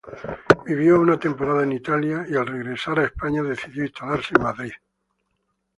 Vivió una temporada en Italia, y al regresar a España decidió instalarse en Madrid.